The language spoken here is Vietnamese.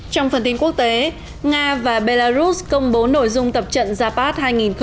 trong phần tin quốc tế nga và belarus công bố nội dung tập trận japat hai nghìn một mươi chín